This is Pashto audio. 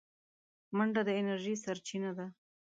منډه د انرژۍ سرچینه ده